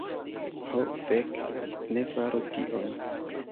Ho fek, ne faru tion.